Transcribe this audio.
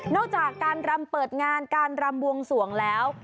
จากการรำเปิดงานการรำบวงสวงแล้ว